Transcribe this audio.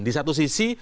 di satu sisi